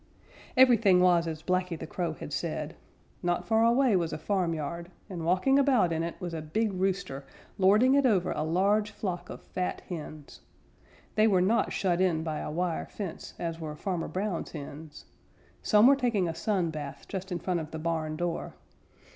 Everything was as Blacky the Crow had said. Not far away was a farmyard, and walking about in it was a big rooster, lording it over a large flock of fat hens. They were not shut in by a wire fence as were Farmer Brown's hens. Some were taking a sun bath just in front of the barn door.